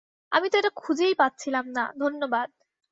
আমি তো এটা খুঁজেই পাচ্ছিলাম না, ধন্যবাদ!